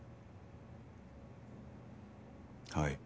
はい。